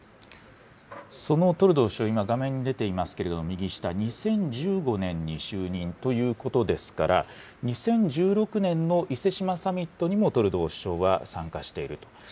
そのトルドー首相、今画面に出ていますけれども、右下、２０１５年に就任ということですから、２０１６年の伊勢志摩サミットにもトルドー首相は参加していると。